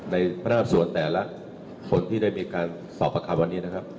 พนักงานส่วนแต่ละคนที่ได้มีการสอบประคัมวันนี้นะครับ